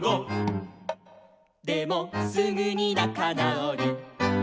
「でもすぐに仲なおり」